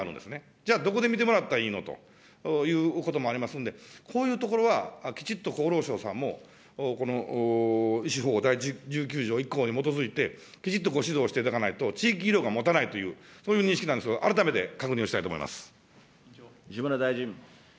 じゃあどこで診てもらったらいいのということもありますんで、こういうところはきちっと厚労省さんも、この医師法第１９条１項に基づいて、きちっと指導していただかないと、地域医療がもたないという、そういう認識なんですが、西村大臣。